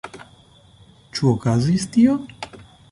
Ĉu okazis tio?